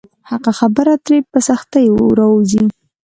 حقه خبره ترې په سختۍ راووځي.